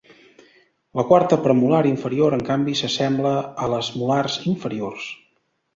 La quarta premolar inferior, en canvi, s'assembla a les molars inferiors.